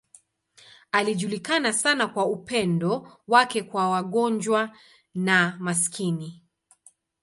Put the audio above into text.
Alijulikana sana kwa upendo wake kwa wagonjwa na maskini.